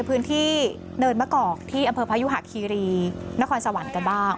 พื้นที่เนินมะกอกที่อำเภอพยุหะคีรีนครสวรรค์กันบ้าง